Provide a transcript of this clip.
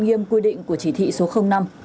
nghiêm quy định của chỉ thị số năm